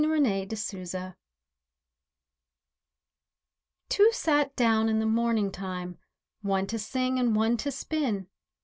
TWO SAT DOWN Two sat down in the morning time, One to sing and one to spin.